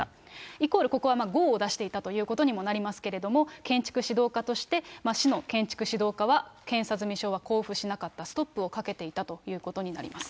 イコールここはゴーを出していたということになりますけれども、建築指導課として市の建築指導課は、検査済証は交付しなかった、ストップをかけていたということになります。